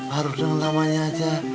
harus dengan namanya aja